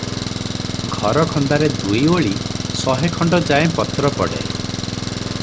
ଘର ଖନ୍ଦାରେ ଦୁଇ ଓଳି ଶହେ ଖଣ୍ଡ ଯାଏଁ ପତ୍ର ପଡ଼େ ।